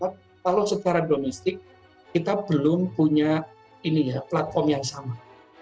kalau secara domestik kita belum punya platform yang sama